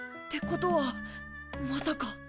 ってことはまさか！